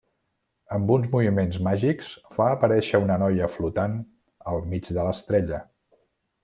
Amb uns moviments màgics fa aparèixer una noia flotant al mig de l’estrella.